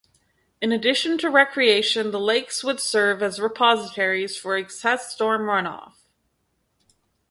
In addition to recreation, the lakes would serve as repositories for excess storm runoff.